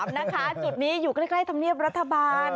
นะคะจุดนี้อยู่ใกล้ธรรมเนียบรัฐบาล